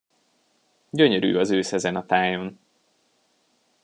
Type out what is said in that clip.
Gyönyörű az ősz ezen a tájon!